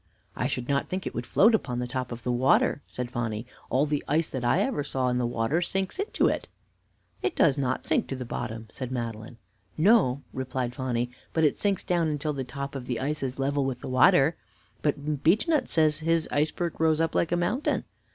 "I should not think it would float upon the top of the water," said Phonny. "All the ice that I ever saw in the water sinks into it." "It does not sink to the bottom," said Madeline. "No," replied Phonny, "but it sinks down until the top of the ice is just level with the water. But Beechnut says that his iceberg rose up like a mountain."